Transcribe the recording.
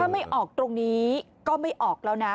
ไม่ออกตรงนี้ก็ไม่ออกแล้วนะ